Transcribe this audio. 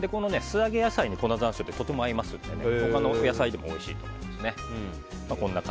素揚げ野菜に粉山椒ってとても合いますので他の野菜でもおいしいと思います。